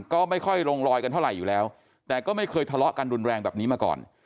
ก็ไม่ค่อยลงลอยกันเท่าไหร่อยู่แล้วแต่ก็ไม่เคยทะเลาะกันรุนแรงแบบนี้มาก่อน